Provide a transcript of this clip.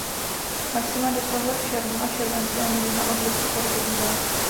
Maxima dosahuje v červnu a červenci a minima od listopadu do února.